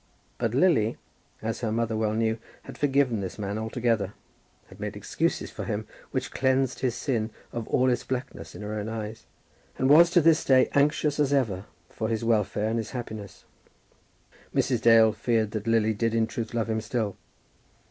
But Lily, as her mother well knew, had forgiven this man altogether, had made excuses for him which cleansed his sin of all its blackness in her own eyes, and was to this day anxious as ever for his welfare and his happiness. Mrs. Dale feared that Lily did in truth love him still.